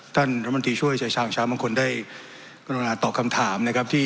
ท่านลำตีช่วยชายชาวของชาวบางคนได้ตอบคำถามนะครับที่